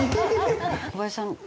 小林さん